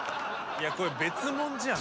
いやこれ別物じゃん。